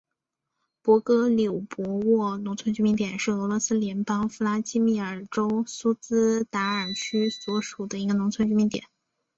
博戈柳博沃农村居民点是俄罗斯联邦弗拉基米尔州苏兹达尔区所属的一个农村居民点。